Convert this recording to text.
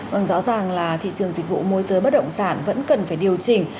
vâng rõ ràng là thị trường dịch vụ môi giới bất động sản vẫn cần phải điều chỉnh